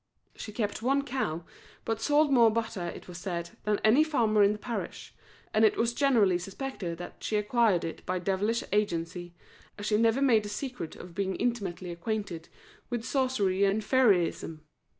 She kept one cow, but sold more butter, it was said, than any farmer in the parish, and it was generally suspected that she acquired it by devilish agency, as she never made a secret of being intimately acquainted with sorcery and fairyism.